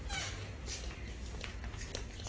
และเวลาวันนี้